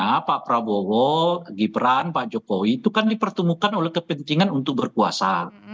karena pak prabowo gibran pak jokowi itu kan dipertemukan oleh kepentingan untuk berkuasa